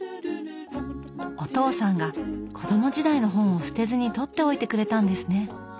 お父さんが子供時代の本を捨てずに取っておいてくれたんですね。